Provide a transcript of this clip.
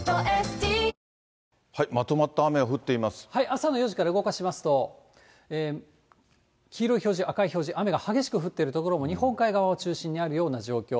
朝の４時から動かしますと、黄色い表示、赤い表示、雨が激しく降っている所も、日本海側を中心にあるような状況。